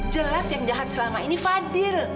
jelas yang jahat selama ini fadil